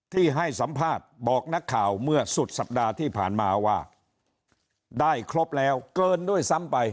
ที่ให้สัมภาษณ์บอกนักข่าวเมื่อสุดสัปดาห์ที่ผ่านมาว่าได้ครบแล้วเกินด้วยซ้ำไป